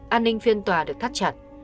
an ninh phiên tòa được thắt chặt